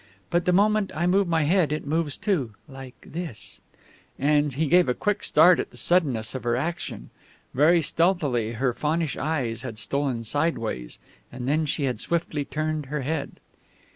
But the moment I move my head it moves too like this " Again he gave a quick start at the suddenness of her action. Very stealthily her faunish eyes had stolen sideways, and then she had swiftly turned her head.